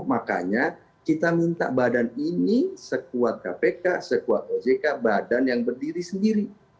makanya kita minta badan ini sekuat kpk sekuat ojk badan yang berdiri sendiri